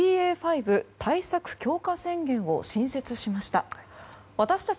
５対策強化宣言を新設しました。